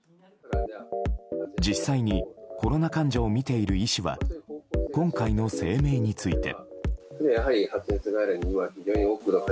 実際にコロナ患者を診ている医師は今回の声明について。